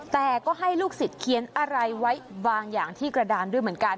แต่ก็ให้ลูกศิษย์เขียนอะไรไว้บางอย่างที่กระดานด้วยเหมือนกัน